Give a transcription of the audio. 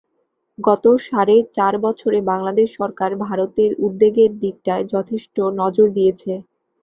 গত সাড়ে চার বছরে বাংলাদেশ সরকার ভারতের উদ্বেগের দিকটায় যথেষ্ট নজর দিয়েছে।